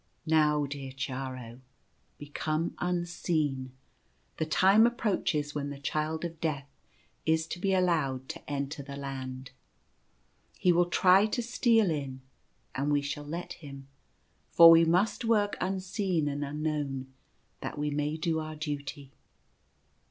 Now, dear Chiaro, become unseen. The time approaches when the Child of Death is to be allowed to enter the Land. He will try to steal in, and we shall let him, for we must work unseen and unknown, that we may do our duty."